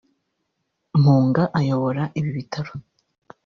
Mpunga uyobora ibi bitaro